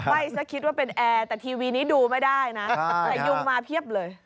ซะคิดว่าเป็นแอร์แต่ทีวีนี้ดูไม่ได้นะแต่ยุงมาเพียบเลย